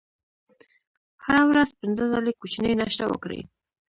هره ورځ پنځه ځلې کوچنۍ ناشته وکړئ.